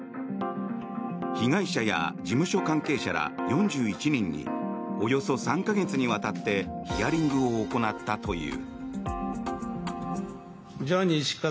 被害者や事務所関係者ら４１人におよそ３か月にわたってヒアリングを行ったという。